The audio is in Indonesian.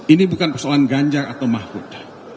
ini bukan persoalan ganjar atau mahfud